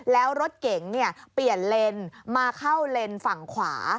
แล้วรถเก๋งเปลี่ยนเลนมาเข้าเลนส์ฝั่งขวา